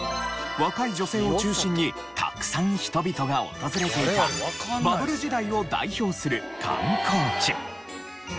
若い女性を中心にたくさん人々が訪れていたバブル時代を代表する観光地。